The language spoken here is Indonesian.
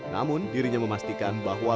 namun dirinya memastikan bahwa